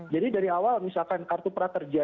jadi dari awal misalkan kartu praterja